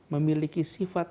memiliki sifat mengembangkan